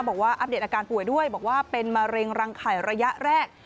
อัปเดตอาการป่วยด้วยบอกว่าเป็นมะเร็งรังไข่ระยะแรก